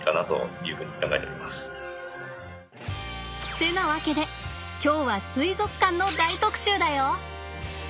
ってなわけで今日は水族館の大特集だよ！